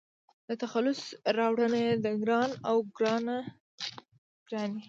د تخلص راوړنه يې د --ګران--او --ګرانه ګراني